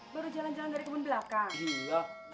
baru jalan jalan dari kebun belakang iya